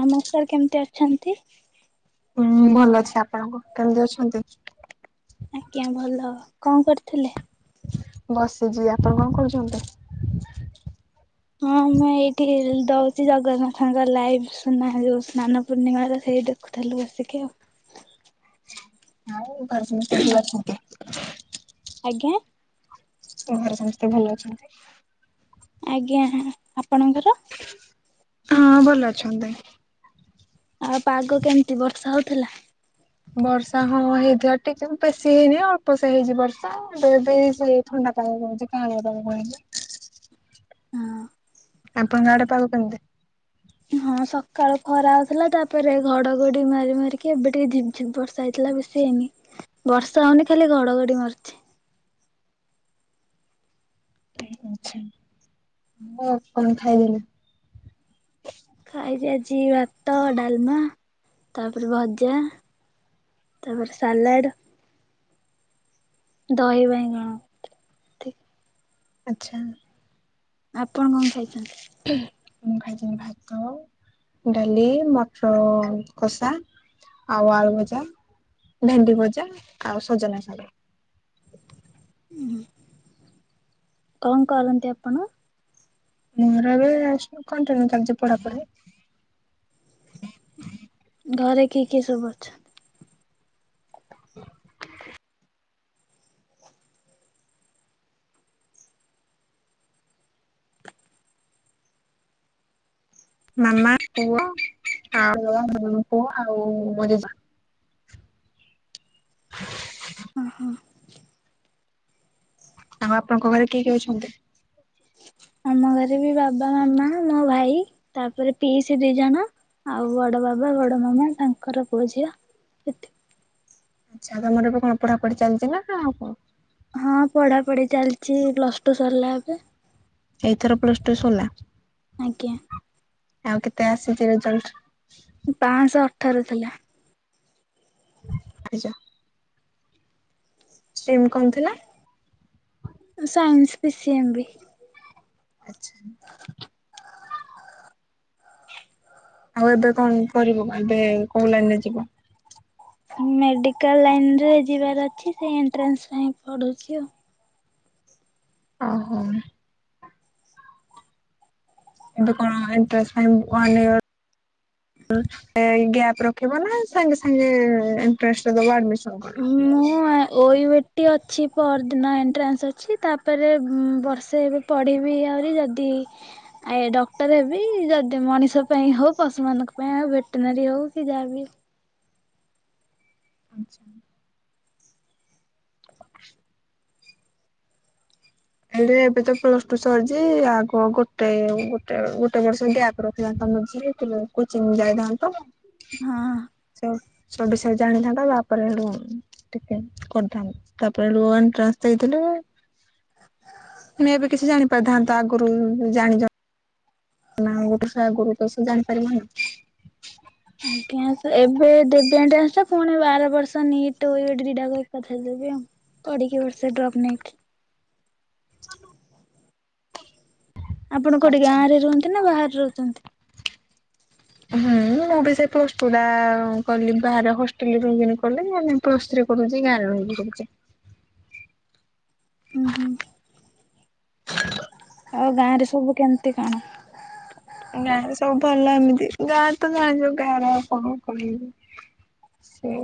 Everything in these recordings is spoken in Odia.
ନମସ୍କାର କେମିତି ଅଛନ୍ତି? ହୁଁ ଭଲ ଅଛି ଆପଣଙ୍କୁ କେମିତି ଅଛନ୍ତି। ଆଜ୍ଞା ଭଲ କଣ କରୁଥିଲେ? ବସିଛି ଆପଣ କଣ କରୁଛନ୍ତି। ହଁ ମୁଁ ଏଇଠି ଦଉଛି ଜଗନ୍ନାଥଙ୍କ ଲାଇଭ ସୁନା ଯୋଉ ସ୍ନାନ ପୂର୍ଣ୍ଣିମ ର ସେ ସେଇ ଦେଖୁଥିଲୁ ବସିକି ଆଉ [unintelligible] ଆଜ୍ଞା ତୁମର ସମସ୍ତେ ଭଲ ଅଛନ୍ତି। ଆଜ୍ଞା ଆପଣଙ୍କର ହଁ ଭଲ ଅଛନ୍ତି। ଆଉ ପାଗ କେମିତି ବର୍ଷା ହଉଥିଲା। ବର୍ଷା ହଁ ହେଇଥିବ ଟିକେ ବେଶୀ ହେଇନି ଅଳ୍ପ ସେ ହେଇଛି ବର୍ଷା ଏବେ ଥଣ୍ଡା [unintelligible] ହ ଆଉ ତମ ଆଡେ ପାଗ କେମିତି? ହଁ ସକାଳ ଖରା ହଉଥିଲା ତାପରେ ଘଡଘଡି ମାରି ମାରିକି ଏବେ ଟିକେ ଝିମ୍ ଝିମ୍ ବର୍ଷା ହେଇଥିଲା। ବେଶି ହେଇନି ବର୍ଷା ହଉନି ଖାଲି ଘଡଘଡି ମାରୁଛି। ମୁଁ କଣ ଖାଇଲି। ଘିଅ ଭାତ ଡାଲମା ତାପରେ ଭଜା ତାପରେ ସାଲାଟ ଦହିବାଇଗଣ ଆଚ୍ଛା। ଆପଣ କଣ ଖାଇଛନ୍ତି? ମୁଁ ଖାଇଥିଲି ଭାତ ଡାଲି ମଟର କଷା ଆଉ ଆଳୁ ଭଜା ଭେଣ୍ଡି ଭଜା ଆଉ ସଜନା ଶାଗ। ଉଁ କଣ କରନ୍ତି ଆପଣ? ମୋର ଏବେ କଣ୍ଟିନ୍ୟୁ ଚାଲିଚି ପଢା ପଢି। ଘରେ କିଏ କିଏ ସବୁ ଅଛନ୍ତି? ହ ମାମା, ପୁଅ, ଆଉ [unintelligible] ମୁଁ ପୁଅ ଆଉ ମୋ ଜେଜ। ଓ ହଁ। ଆଉ ଆପଣଙ୍କ ଘରେ କିଏ କିଏ ଅଛନ୍ତି? ଆମ ଘରେ ବି ବାବା ମାମା ମୋ ଭାଇ ତାପରେ ପିଇସି ଦି ଜଣ। ଆଉ ବଡ ବାବା ବଡ ମାମା ତାଙ୍କର ପୁଅ ଝିଅ ଏତିି। ଆଚ୍ଛା ତୋମର ଏବେ କଣ ପଢାପଢି ଚାଲିଚି ନା ଆଉ କଣ? ହଁ ପଢାପଢି ଚାଲିଚି ପ୍ଲସ୍ ଟୁ ସରିଲା ଏବେ। ଏଇଥର ପ୍ଲସ୍ ଟୁ ସଲା? ଆଜ୍ଞା। ଆଉ କେତେ ଆସିଚି ରେଜଲ୍ଟ? ପାଁଶହ ଅଠର ଥିଲା। ପାଁଶ ସିମ୍ କଣ ଥିଲା? ଅ, ସାଇନ୍ସ ପିସିି ଏମ୍ ବି। ଆଚ୍ଛା। ଆଉ ଏବେ କଣ କରିବୁ? ଏବେ କୋଉ ଲାଇନ୍ ରେ ଯିବ? ମେଡିକାଲ୍ ଲାଇନ୍ ରେ ଯିବାର ଅଛି ସେ ଏଣ୍ଟ୍ରାନ୍ସ ପାଇଁ ପଢୁଛି ଆଉ। ଓ ହଁ। ଏବେ କଣ ଏଣ୍ଟ୍ରାନ୍ସ ପାଇଁ ୱାନ୍ ଇୟର୍ ଓ ଏ ଗ୍ୟାପ୍ ରଖିବ ନା ସାଙ୍ଗେ ସାଙ୍ଗେ ଏଣ୍ଟ୍ରାନ୍ସ ଟା ଦବ ଆଡମିସ ମୁଁ ଆ ଓଇଏ ଟି ଅଛି ପରଦିନ ଏଣ୍ଟ୍ରାନ୍ସ ଅଛି। ତାପରେ ଉଁ, ବର୍ଷେ ଏବେ ପଢିବି ଆହୁରି ଯଦି ଇ ଆ, ଡକ୍ଟର୍ ହେବି ଯଦି ମଣିଷ ପାଇଁ ହଉ ପଶୁ ମାନଙ୍କ ପାଇଁ ଆଉ ଭେଟେନାରୀ ହଉ। ସେ ଯାହା ବି ଆଚ୍ଛା। [unintelligible] ହେଲେ ଏବେ ତ ପ୍ଲସ୍ ଟୁ ସରିଚି। ଆଗ ଗୋଟେ ଗୋଟେ ଗୋଟେ ବର୍ଷ ଗ୍ୟାପ୍ ରଖିଲେ [unintelligible] ବୁଝିଥିଲେ କୋଚିଂ ଯାଇ ଥାଆନ୍ତ। ହଁ। ତ ସବୁ ବିଷୟ ଜାଣି ଥାଆନ୍ତା ତା ପରେ ସେଠୁ ଠିକ୍ କେ କରିଥାନ୍ ତା ପରେ ସେଠୁ ୱାନ୍ ଟ୍ରାନ୍ସ ଦେଇଥିଲେ [unintelligible] ତୁମେ ଏବେ କିଛି ଜାଣି ପାରିଥାନ୍ତ ଆଗରୁ ଜାଣିଚ। ନା ଆଉ ଗୋଟେ ସେ ଆଗରୁ ତ ସେ ଜାଣିପାରିବନି। ଇଆଁସେ ଜ ଏବେ ଦେବେ ଏଣ୍ଟ୍ରାନ୍ସ ଟା ପୁଣି ଆର ବର୍ଷ ନିଟ ଅଇ ରେଡି ରିଡା କରିପାରିଥାନ୍ତ କି ପଢିକି ବର୍ଷେ ଡ୍ରପ୍ ନେଇକି। [unintelligible] ଆପଣ କୋଉଠି ଆଚ୍ଛା। ଗାଁରେ ରୁହନ୍ତି ନା ବାହାରେ ରହୁଚନ୍ତି? ହଁ। ମୁଁ ବି ସେ ପ୍ଲସ୍ ଟୁ କରିଲି ବାହାରେ ହଷ୍ଟେଲ୍ ରେ ରହିକି ଆମେ କଲେ। ଏବେ ପ୍ଲସ୍ ଥ୍ରୀ କରୁଚି ଗାଁରେ ରହି। [unintelligible] କରୁଚେ। [inaudible] ଉୁଁ ହୁଁ [unintelligible] ଆଉ ଗାଁରେ ସବୁ କେମିତି କଣ? ଗାଁରେ ସବୁ ଭଲ ଏମିତି ଗାଁରେ ତ ଜାଣିଚ। ଗାଁର କଣ କହିବି? ସେ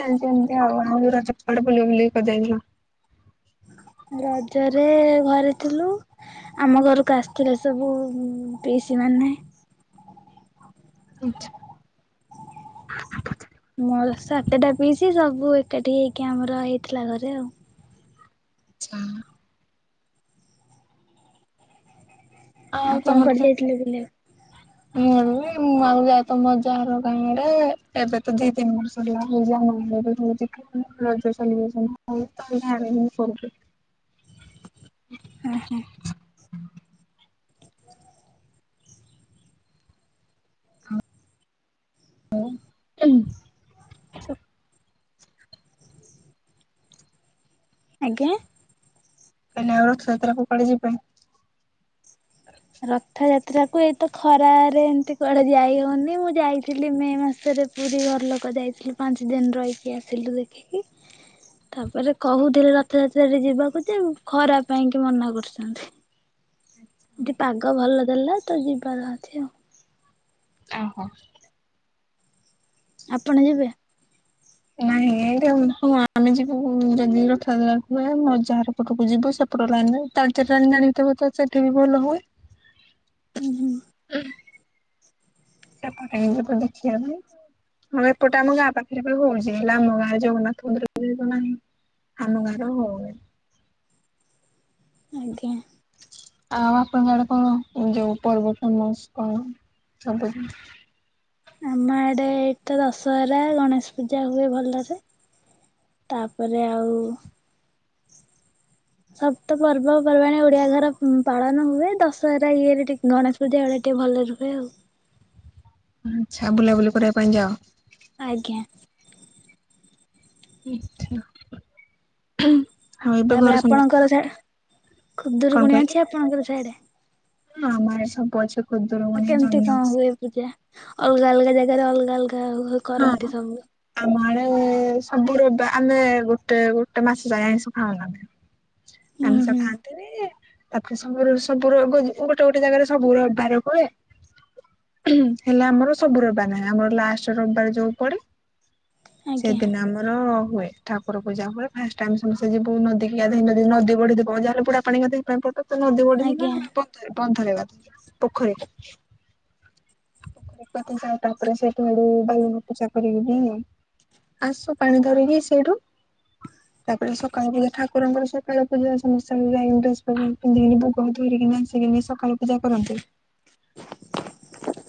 ଚାଲିଚି ଏମିତି ଆଉ। ଆଉ ଯୋଉ ରଜରେ କୁଆଡେ ବୁଲାବୁଲି କରି ଯାଇନ? [unintelligible] ରଜରେ ଘରେ ଥିଲୁ, ଆମ ଘରୁକୁ ଆସିଥିଲେସବୁ ପିଶିମାନେ। [unintelligible] [unintelligible] ମୋର ସାତେଟା ପିଶି ସବୁ ବୁ ଏକାଠି ହେଇକି ଆମର ହେଇଥିଲା ଘରେ ଆଉ। ଆଛା। ଆପଣ କୁଆଡେ ଯାଇଥିଲେ ବୁଲିବାକୁ? ମୁଁ ମୁଁ ଆଉକୁ ଯାଏ ତ ମଜାହାର ଗାଁ ରେ ଏବେ ତ ଦି ତିନି ବର୍ଷ ହେଲା [unintelligible] ରଜରେ ଚାଲିିବ ତ ଆ ମୁଁ ଫୋନରେ ହ ହୁଁ। [unintelligible] ଆଜ୍ଞା? ହେଲୋ ରଥ ଯାତ୍ରାକୁ କୁଆଡେ ଯିବେ? ରଥ ଯାତ ଯାତ୍ରାକୁ ଏତ ଖରାରେ ଏମିତି କୁଆଡେ ଯାଇ ହଉନି, ମୁଁ ଯାଇଥିଲି ମେ ମାସରେ ପୁରୀ ଘରଲୋକ ଯାଇଥିଲୁ ପାଞ୍ଚ ଦିନ ରହିକି ଆସିଲୁ ଦେଖିକି। ତାପରେ କହୁଥିଲେ ରଥଯାତ୍ରାରେ ଯିବାକୁ ଯେ ଖରା ପାଇଁକି ମନା କରୁଛନ୍ତି। ଯି ପାଗ ଭଲ ଦେଲା ତ ଯିବାର ଅଛି ଆଉ। ଓହୋ। ଆପଣ ଯିବେ? ନାଇଁ ଏମତି ହଁ ଆମେ ଯିବୁ ଯଦି ରଥ ଯାତ୍ରା ହୁଏ ଅଜା ଘର ପଟକୁ ଯିବୁ ସେ [unintelligible] ସେଠିବି ଭଲ ହୁଏ। ହୁଁ ହୁଁ। ସେପଟେ ଏବେ ଦେଖିବାର ନାହିଁ। ହଁ ଏପଟେ ଆମ ଗାଁ ପାଖରେ ବା ହଉଛି ହେ ଆମ ଗାଁରେ ଜଗନ୍ନାଥ ମନ୍ଦିର ତ ନାହିଁ। ଆମ ଗାଁରେ ଆଉ ହଉନି। ଆଜ୍ଞା। ଆଉ ଆପଣଙ୍କ ଆଡେ କଣ ଯୋଉ ପର୍ବ ଫେମସ କଣ? ସପତି ଆମ ଆଡେ ଏଇଟା ଦଶହରା, ଗଣେଶ ପୂଜା ହୁଏ ଭଲରେ। ତାପରେ ଆଉ ସପ୍ତ ପର୍ବ ପର୍ବାଣୀ ଓଡିଆ ଘର ପାଳନ ହୁଏ ଦଶହରା ଇଏରେ ଟିକେ ଗଣେଶ ପୂଜା ବେଳେ ଟିକେ ଭଲରେ ହୁଏ ଆଉ। ଆଚ୍ଛା ବୁଲାବୁଲି କରିବା ପାଇଁ ଯାଅ? ଆଜ୍ଞା। ଆଛା ଆଉ ଏବେ ଘରେ ସମସ୍ତେ ଖୁଦରୁ କଣ କୁଣି କହିଲେ? ଅଛି, ଆପଣଙ୍କର ସିଆଡେ? ହଁ ଆମ ଆଡେ ସବୁ ଅଛି। ଆଉ ଖୁଦୁରୁକୁଣୀ କେମିତି ଜହ୍ନି କଣ ଓଷା ହୁଏ ପୂଜା? ଅଲଗା ଅଲଗା ଜାଗାରେ ଅଲଗା ଅଲଗା ହଁ କରନ୍ତି ସବୁ। ଆମ ଆଡେ ସବୁ ର ଆମେ ଗୋଟେ ଗୋଟେ ମାସ ଯାଏଁ ଆଇଁଷ ଖାଉନା। ହୁଁ ଆମିଷ ହୁଁ ଖାଆନ୍ତିନି ତାପରେ ସବୁ ସବୁର ଗୋଟେ ଗୋଟେ ଜାଗାରେ ସବୁର ବାର ପଡ଼େ। ହ ହୁଁ ହେଲେ ଆମର ସବୁ ରବିବାର ନାହିଁ ଆମର ଲାଷ୍ଟ ରବିବାର ଯୋଉ ପଡେ ଆଜ୍ଞା ସେଦିନ ଆମର ହୁଏ, ଠାକୁର ପୂଜା ହୁଏ ଫାଷ୍ଟ ଆମେ ସମସ୍ତେ ଯିବୁ ନଦୀ କିି ଗାଧୋଇବା ନଦୀ ବଢି ଥିବ, ଯାହାବି ହେଲେ ବୁଡ଼ ପଡ଼ି ଗାଧେଇବା ପାଇଁ ପ ଯଦି ନଦୀ ବଢି ହେଲା ଆଜ୍ଞା ଆମେ ବଧ ବନ୍ଧ ରେ ଗାଧଉ ପୋଖରୀ କୁ ପୋଖରୀ କୁ ଗାଧେଇ ଯାଉ ତାପରେ ସେଠୁ ବାଲୁଗାଁ ପୂଜା କରିକି ଆସୁ ପାଣି ଧରିକି ସେଇଠୁ, ତାପରେ ସକାଳ କୁ ଠାକୁରଙ୍କର ସକାଳ ପୂଜା ସମସାଇ ପିନ୍ଧିକି ଭୋଗ ଧରିକି ନାସିକି ସକାଳ ପୂଜା କରନ୍ତି।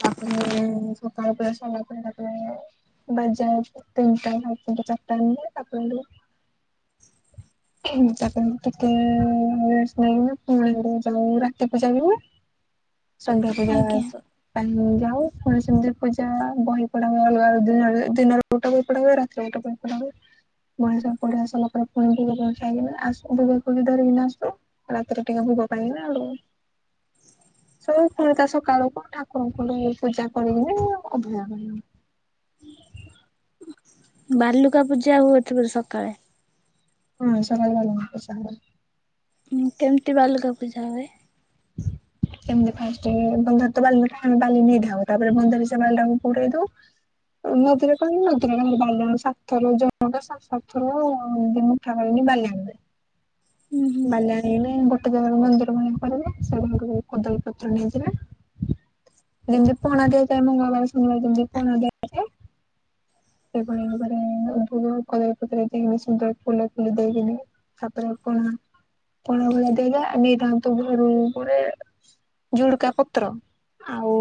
ତାପରେ ସକାଳ ପ ସକାଳେ ତାେ ବଜାନିଟା ଚାରିଟା ହେଲେ ତାକୁ ହେଲେ [inaudible] ହୁଁ ତା ଟିକେ ରେଷ୍ଟ ନେଇ ପୁଣି ଯାଉ ରାତି ପୂଜା ବି ହୁଏ। ସନ୍ଧ୍ୟା ପୂଜା ଆଜ୍ଞା। ଯାଉ ଗଣେଶମତି ପୂଜା ବହି ପଢାବେ ଅଲଗା ଦ ଦିନରେ ଗୋଟେ ବହି ପଢାବେ ରାତିରେ ଗୋଟେ ମ ପସ ଫୁଣି ଆ ଭୋଗକୁ ବି ଧରିକିନା ଆସୁ ରାତିରେ ଟିକେ ଭୋଗ ପାଇଁନା [inaudible] ସବୁ ପୁଣିଟ ସକାଳକୁ ଠାକୁରଙ୍କୁ ପୂଜା କରି ଅଭୟାରଣ [inaudible] ବାଲୁକା ପୂଜା ହୁଏଥପ ସକାଳେ ହଁ ସକାଳେ ବାଲୁକା ପୂଜା ହୁଏ। କେମିତି ବାଲୁକା ପୂଜା ହୁଏ? ସେମତି ଫାଷ୍ଟ ବନ୍ଧ ତ ବାଲି ଆମେ ବାଲି ନେଇଥାଉ ତାପରେ ବନ୍ଧ ବି ସେ ବାଲିଟାକୁ ପୁଡେଇ ଦଉ। ନଦୀରେ କହିଲ ନଦୀର ବାଲି ସାତଥର ଜଣଟା ସାତଥର ମୁଠା କି [unintelligible] [inaudible] ବାଲି ଆଣଲେ ଗୋଟେ ଜାଗାରେ ମନ୍ଦିର ଭ କରିବ ସେ ଓ କୋଦଳୀପତ୍ର ନେଇଯିବ [inaudible] ଯେମତି ପଣାଦେଇଥା ମଙ୍ଗଳବାର ସୁନିବାରମ ପନା ଦେଇ [inaudible] ସେଭଳି ଭରେ ଭୋଗ କଦଳୀ ପତ୍ରର ଦେଇି ସୁନ୍ଦର ଫୁଲ ଫୁଲି ଦେଇକିନି ତାପରେ ଆପଣ ପ ଦେଲେ ନିର୍ଦ୍ଧନ୍ତ ଭରୁ ଉପରେ ଝୁଡ଼କା ପତ୍ର ଆଉ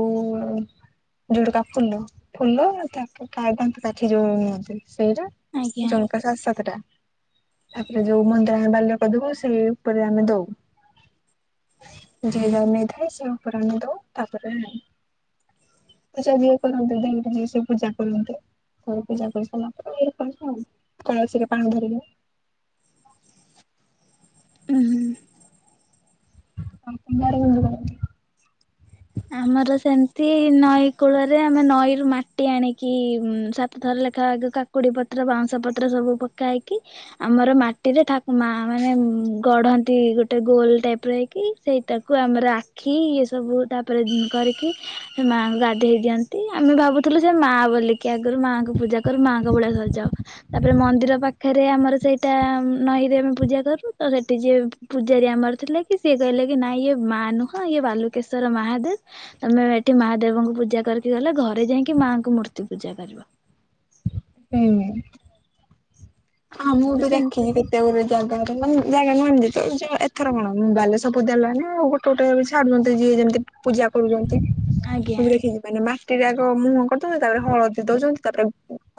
ଯୋଉଟିକା ଫୁଲ ଫୁଲ ତାପ କଦନ୍ତ ଗାଠି ଯୋଉ ନିୁଅନ୍ତି ସେଇଟା ଆଜ୍ଞା। ଜଣଙ୍କ ସାତ ସାତ ଟା ତାପରେ ଯୋଉ ମନ୍ଦିର ଆମେ ବାଲ୍ୟ କଦବ ସେଇ ଉପରେ ଆମେ ଦଉ। ଜିଏ ଯା ନେଇଥାଏ ସେ ଉପରେ ଆମେ ଦୋଉ ତାପରେ ପୂଜା ଯିଏ କରନ୍ତି ଦିନଟା ଯିଏ ସେ ପୂଜା କରନ୍ତି। ପୂଜା କରିସାରିଲା ପରେ ଇ ଆଉ କଳସିରେ ପାଣି ଧରିବ [inaudible] ଉଁ ହୁଁ [unintelligible] ଆମର ସେମିତି ନଈ କୂଳରେ ଆମେ ନଈରୁ ମାଟି ଆଣିକି ସାତଥର ଲେଖା କାକୁଡି ପତ୍ର ବାଉଁଶ ପତ୍ର ସବୁ ପକା ହେଇକି ଆମର ମାଟିରେ ଠାକୁମା ମାନେ ଗଢନ୍ତି ଗୋଟେ ଗୋଲ ଟାଇପ ର ହେଇକି ସେଇଟାକୁ ଆମର ଆଖି ଏ ସବୁ ତା ଉପରେ କରିକି ସେ ମାଆଙ୍କୁ ଗାଧୋଇ ହେଇ ଦିଅନ୍ତି ଆମେ ଭାବୁଥିଲୁ ଯେ ମା ବୋଲିକି ଆଗରୁ ମାଆଙ୍କୁ ପ ପୂଜା କରୁ ମାଙ୍କ ଭଳିଆ ସଜାଉ ତାପରେ ମନ୍ଦିର ପାଖରେ ଆମର ସେଇଟା ନଈରେ ଆମେ ପୂଜା କରୁ। ତ ସେଠି ଯିଏ ପୂଜାରୀ ଆମର ଥିଲା କି ସିଏ କହିଲେ କି ନାଇ ଇଏ ମା ନୁହଁ ଇଏ ବାଲୁକେଶଵର ମାହା ତମେ ଏଠି ମାହା ଦେବଙ୍କୁ ପୂଜା କରିକି ଗଲେ ଘରେ ଯାଇକି ମାଙ୍କୁ ମୂର୍ତ୍ତି ପୂଜା କରିବ। [inaudible] ହୁଁ ହ ମୁଁ ତାପରେ ତ ସେମିତି ଦେଖଛି କେତେ ଗୁଟେ ଜାଗା ମାନେ ଜାଗା ନ ଆ ଏଥର କଣ ବାଲେଶ୍ୱଵ ପୂଦା ଲାନେ ଆଉ ଗୋଟେ ଗୋଟେ ବି ଛଡୁଛନ୍ତି ଯିଏ ଯେମିତି ପୂଜା କରୁଛନ୍ତି ମୁ ଆଜ୍ଞା ବି ରଖିଛି ମାନେ ମାଟିରେ ଆଗ ମୁହଁ କରିଦଉଛନ୍ତି ତାପରେ ହଳଦୀ ଦଉଛନ୍ତି ତାପରେ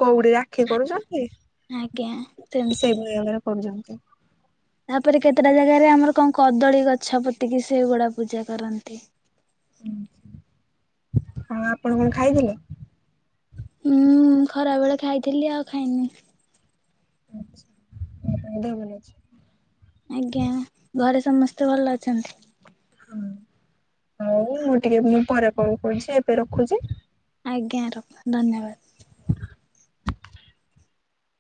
କଉଡି ରାକ୍ଷୀ କରୁଛନ୍ତି ଆଜ୍ଞା ସେମିତି। ସେଇଭଳି ଭାବରେ କରୁଛନ୍ତି। ତାପରେ କେତେଟା ଜାଗାରେ ଆମର କଣ କଦଳୀ ଗଛ ପୋତିକି ସେଗୁଡା ପୂଜା କରନ୍ତି। ହଁ ଆପଣ କଣ ଖାଇଥିଲେ? ହୁଁ ଖରା ବେଳେ ଖାଇଥିଲି ଆଉ ଖାଇନି। ଆଛା ଆ ଦେହ ଭଲ ଅଛି। ଆଜ୍ଞା ଘରେ ସମସ୍ତେ ଭଲ ଅଛନ୍ତି। ହଁ ହଉ ମୁଁ ଟିକେ ମୁଁ ପରେ କଲ କହୁଛି ଏବେ ରଖୁଛି। ଆଜ୍ଞା ରଖ ଧନ୍ୟବାଦ।